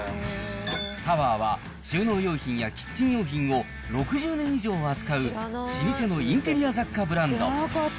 タワーは、収納用品やキッチン用品を６０年以上扱う、老舗のインテリア雑貨ブランド。